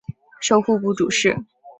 授户部主事。